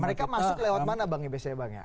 mereka masuk lewat mana bang ipc bang ya